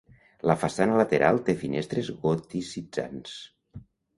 La façana lateral té finestres goticitzants.